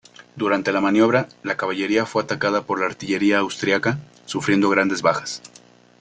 Durante la maniobra, la caballería fue atacada por la artillería austriaca, sufriendo grandes bajas.